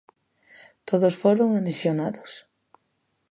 Todos foron anexionados.